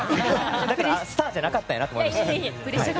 だからスターじゃなかったんやなと思いました。